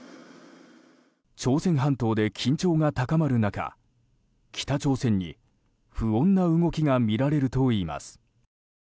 朝鮮半島で緊張が高まる中北朝鮮に不穏な動きが見られるといいます。